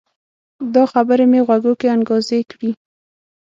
دا خبرې مې غوږو کې انګازې کړي